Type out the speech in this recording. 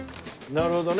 なるほどね。